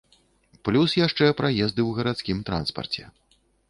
Плюс яшчэ праезды ў гарадскім транспарце.